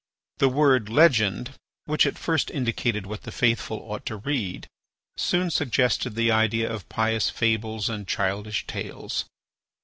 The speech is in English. The word, legend, which at first indicated what the faithful ought to read, soon suggested the idea of pious fables and childish tales.